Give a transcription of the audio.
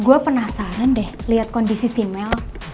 gue penasaran deh liat kondisi si mel